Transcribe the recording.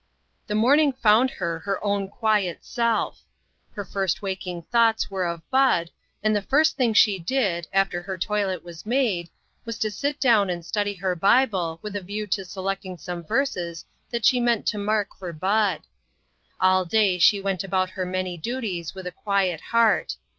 THE morning found her her own quiet self. Her first waking thoughts were of Bud, and the first thing she did, after her toilet was made, was to sit down and study her Bible with a view to selecting some verses that she meant to mark for Bud. All day she went about her many duties with a quiet heart.